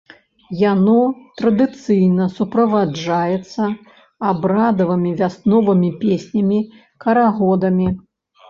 Яно традыцыйна суправаджаецца абрадавымі вясновымі песнямі, карагодамі.